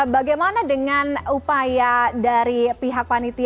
bagaimana dengan upaya dari pihak panitia